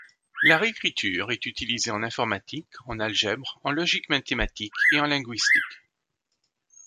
La réécriture est utilisée en informatique, en algèbre, en logique mathématique et en linguistique.